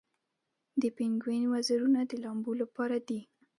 د پینګوین وزرونه د لامبو لپاره دي